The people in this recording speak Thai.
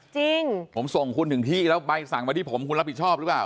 จริงผมส่งคุณถึงที่แล้วใบสั่งมาที่ผมคุณรับผิดชอบหรือเปล่า